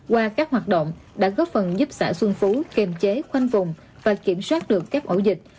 qua các hoạt động đã góp phần giúp xã xuân phú kiềm chế khoanh vùng và kiểm soát được các ổ dịch